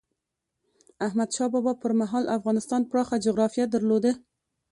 احمد شاه بابا پر مهال افغانستان پراخه جغرافیه درلوده.